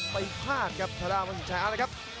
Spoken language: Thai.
ไปพลาดครับทะดาววัสิชัยเอาละครับ